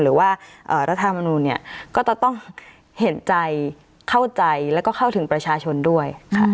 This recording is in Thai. หรือว่ารัฐธรรมนูลเนี่ยก็จะต้องเห็นใจเข้าใจแล้วก็เข้าถึงประชาชนด้วย